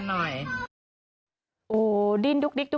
โหดริ้นดึ๊บ